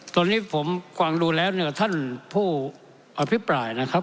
ส่วนนี้ผมควังรู้แล้วเนี่ยส่วนท่านผู้อภิปรายนะครับ